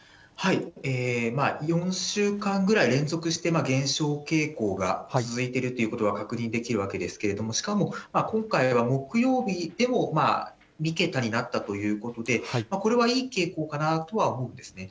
４週間ぐらい連続して減少傾向が続いているということが確認できるわけですけれども、しかも今回は木曜日でも３桁になったということで、これはいい傾向かなとは思うんですね。